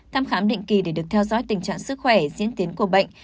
thăm khám định kỳ để được theo dõi tình trạng sức khỏe diễn tiến của bệnh